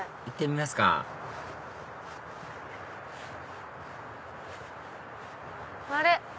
行ってみますかあれ？